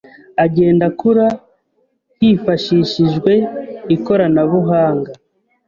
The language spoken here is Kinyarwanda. agenda akura hifashishijwe ikoranabuhanga